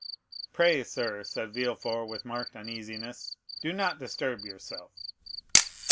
"Pray, sir," said Villefort with marked uneasiness, "do not disturb yourself."